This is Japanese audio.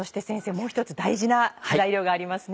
もう１つ大事な材料がありますね。